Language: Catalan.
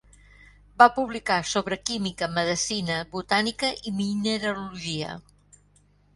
Va publicar sobre química, medicina, botànica i mineralogia.